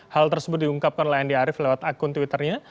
hal tersebut diungkapkan oleh andi arief lewat akun twitternya